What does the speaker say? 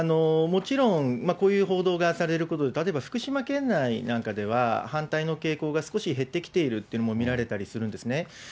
もちろんこういう報道がされることで、例えば、福島県内なんかでは、反対の傾向が少し減ってきているというのも見られたりするんですね。